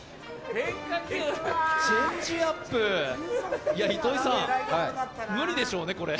チェンジアップ、糸井さん、無理でしょうね、これ。